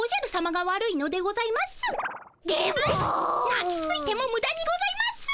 なきついてもむだにございます。